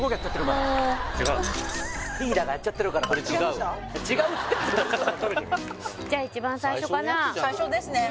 違うねリーダーがやっちゃってるから違うってじゃあ一番最初かな最初ですね